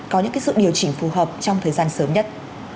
có những sự điều chỉnh phù hợp trong thời gian sớm nhất